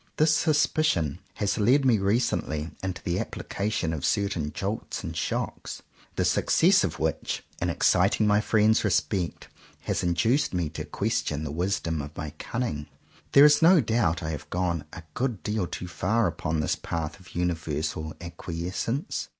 This suspicion has led me recently into the application of certain jolts and shocks, the success of which, in exciting my friends' respect, has induced me to question the wisdom of my cunning. There is no doubt I must have gone a good deal too far upon this path of universal acquiescence.